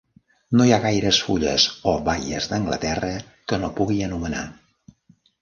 No hi ha gaires fulles o baies d'Anglaterra que no pugui anomenar.